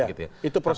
itu proses perumahan